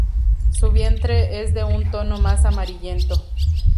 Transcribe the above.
Su vientre es de un tono más amarillento.